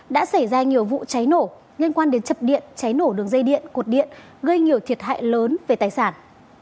đã xảy ra nhiều vụ cháy nổ liên quan đến chập điện cháy nổ đường dây điện cột điện gây nhiều thiệt hại lớn về tài sản